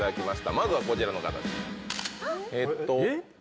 まずはこちらの方です。